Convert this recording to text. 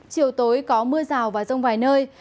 chiều tối có mưa rào và rông vài nơi